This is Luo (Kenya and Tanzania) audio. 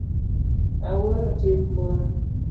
Awuoro tim mon.